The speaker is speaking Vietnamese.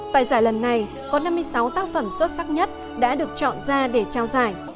tại giải lần này có năm mươi sáu tác phẩm xuất sắc nhất đã được chọn ra để trao giải